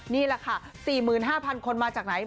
นี่แหละค่ะ๔๕๐๐คนมาจากไหน